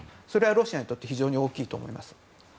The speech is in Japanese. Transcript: それはロシアにとって非常に大きいと思います。